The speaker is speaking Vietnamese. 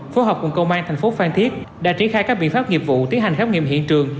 phố học cùng công an tp phan thiết đã triển khai các biện pháp nghiệp vụ tiến hành khám nghiệm hiện trường